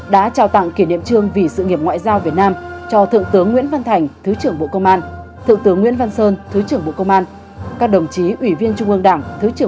đã trao tặng kỷ niệm trương vì sự nghiệp ngoại giao việt nam cho thượng tướng nguyễn văn thành thứ trưởng bộ công an